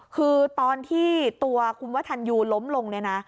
คือตอนที่ตัวคุณวัฒนยูล้มลงเนี่ยนะ